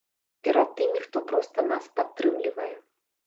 Перад тымі, хто проста нас падтрымлівае.